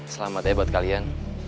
selamat ya buat kalian